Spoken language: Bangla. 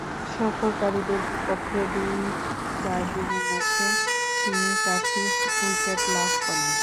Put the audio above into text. সফরকারীদের বিপক্ষে দুটি চার দিনের ম্যাচে তিনি চারটি উইকেট লাভ করেন।